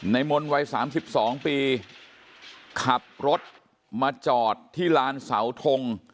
มนต์วัย๓๒ปีขับรถมาจอดที่ลานเสาทง